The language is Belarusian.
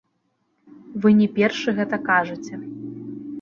Вы не першы гэта кажаце.